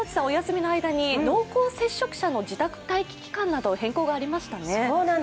お休みの間に濃厚接触者の待機期間に変更がありましたね。